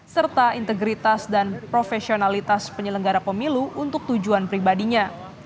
serta integritas dan profesionalitas penyelenggara pemilu untuk tujuan pribadinya